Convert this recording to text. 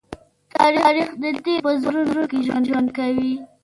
تاریخ د تېرو په زړه کې ژوند کوي.